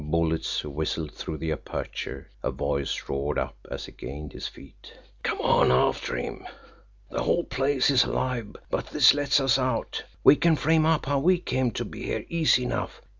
Bullets whistled through the aperture a voice roared up as he gained his feet: "Come on! After him! The whole place is alive, but this lets us out. We can frame up how we came to be here easy enough.